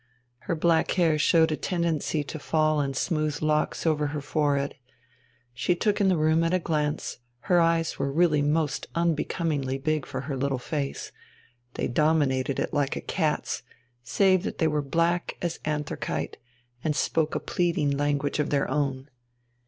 Her black hair showed a tendency to fall in smooth locks over her forehead. She took in the room at a glance; her eyes were really almost unbecomingly big for her little face, they dominated it like a cat's, save that they were black as anthracite and spoke a pleading language of their own....